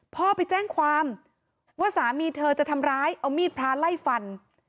พ่อไปแจ้งความว่าสามีเธอจะทำร้ายเอามีดพระไล่ฟัน